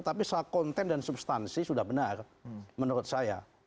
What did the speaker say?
tapi soal konten dan substansi sudah benar menurut saya